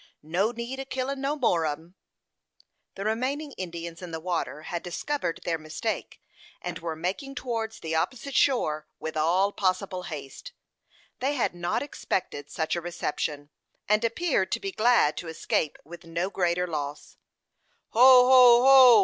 "No need o' killin' no more on 'em." The remaining Indians in the water had discovered their mistake, and were making towards the opposite shore with all possible haste. They had not expected such a reception, and appeared to be glad to escape with no greater loss. "Ho, ho, ho!"